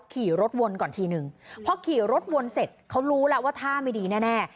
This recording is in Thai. ขี่รถวนก่อนทีนึงพอขี่รถวนเสร็จเขารู้แล้วว่าท่าไม่ดีแน่แน่